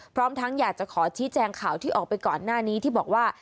พร้อมทั้งอยากจะขอชี้แจงข่าวที่ออกไปก่อนหน้านี้ที่บอกว่า